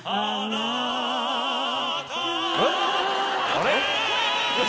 ・あれ？